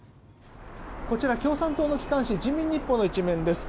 こちら、共産党の機関紙人民日報の１面です。